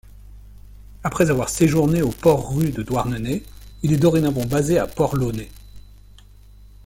Après avoir séjourne au Port-Rhu de Douarnenez, il est dorénavant basé à Port-Launay.